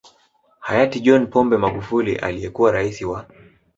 Hayati John Pombe Magufuli aliyekuwa Rais wa